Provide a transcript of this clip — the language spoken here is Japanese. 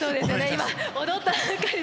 今踊ったばっかりで。